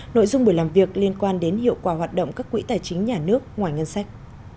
nội dung buổi làm việc liên quan đến hiệu quả hoạt động các quỹ tài chính nhà nước ngoài ngân sách